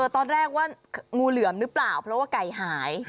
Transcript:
ตอนแรกว่างูเหลือมหรือเปล่าเพราะว่าไก่หาย